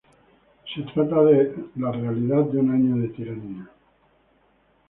Se trata de "La realidad de un año de tiranía.